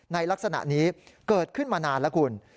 ลักษณะนี้เกิดขึ้นมานานแล้วคุณ